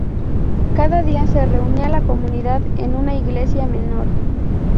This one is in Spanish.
Cada día se reunía la comunidad en una iglesia menor.